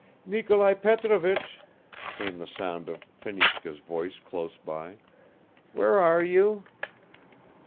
. "Nikolai Petrovich," came the sound of Fenichka's voice close by. "Where are you?"